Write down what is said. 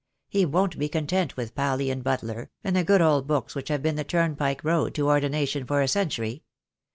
He won't be content with Paley and Butler, and the good old books which have been the turn pike road to ordination for a century.